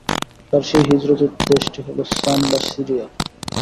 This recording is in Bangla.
তার সেই হিজরতের দেশটি হল শাম বা সিরিয়া।